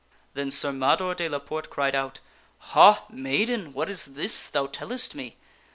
Then Sir Mador de la Porte cried out, "Ha ! maiden, what is this thou tellest me